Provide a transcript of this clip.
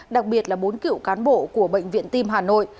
đặc biệt là bốn cựu cán bộ của bệnh viện tim hà nội